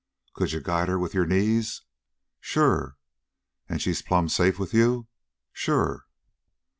"Could you guide her with your knees?" "Sure." "And she's plumb safe with you?" "Sure."